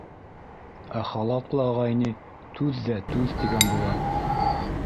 Ә халатлы ағай ни, түҙ ҙә, түҙ, тигән була.